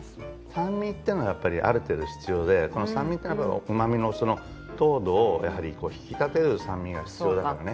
酸味っていうのはやっぱりある程度必要でこの酸味というのは旨味の糖度をやはり引き立てる酸味が必要だからね。